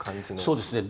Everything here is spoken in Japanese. そうですね。